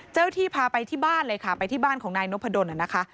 ที่พาไปที่บ้านเลยค่ะไปที่บ้านของนายนพดลนะคะ